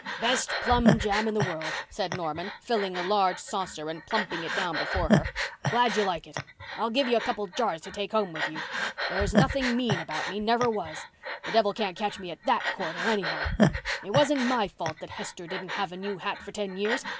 "Best plum jam in the world," said Norman, filling a large saucer and plumping it down before her. "Glad you like it. I'll give you a couple of jars to take home with you. There's nothing mean about me—never was. The devil can't catch me at that corner, anyhow. It wasn't my fault that Hester didn't have a new hat for ten years.